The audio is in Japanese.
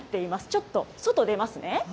ちょっと、外出ますね。